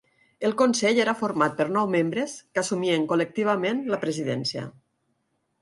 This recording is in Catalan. El consell era format per nou membres que assumien col·lectivament la presidència.